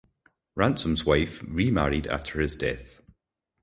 Ransom’s wife remarried after his death.